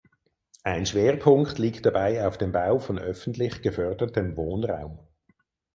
Ein Schwerpunkt liegt dabei auf dem Bau von öffentlich gefördertem Wohnraum.